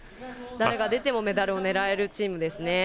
誰が出てもメダルを狙えるチームですね。